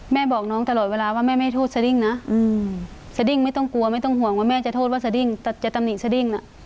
บอกน้องตลอดเวลาว่าแม่ไม่โทษสดิ้งนะสดิ้งไม่ต้องกลัวไม่ต้องห่วงว่าแม่จะโทษว่าสดิ้งจะตำหนิสดิ้งน่ะ